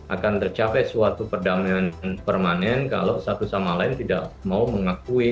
akan tercapai suatu perdamaian permanen kalau satu sama lain tidak mau mengakui